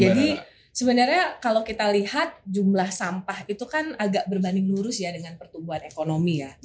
jadi sebenarnya kalau kita lihat jumlah sampah itu kan agak berbanding lurus ya dengan pertumbuhan ekonomi ya